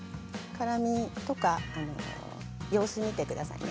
辛味とか様子を見てください。